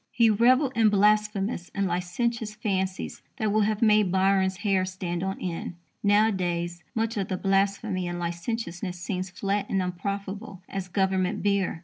He revelled in blasphemous and licentious fancies that would have made Byron's hair stand on end. Nowadays, much of the blasphemy and licentiousness seems flat and unprofitable as Government beer.